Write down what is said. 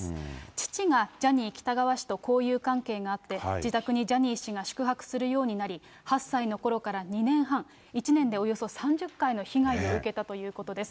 父がジャニー喜多川氏と交友関係があって、自宅にジャニー氏が宿泊するようになり、８歳のころから２年半、１年でおよそ３０回の被害を受けたということです。